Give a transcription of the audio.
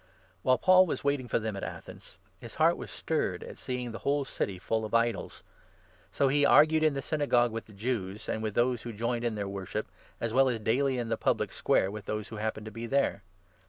Paul While Paul was waiting for them at Athens, 16 at Athens, his heart was stirred at seeing the whole city full of idols. So he argued in the Synagogue with the Jews and 17 with those who joined in their worship, as well as daily in the public Square with those who happened to be there.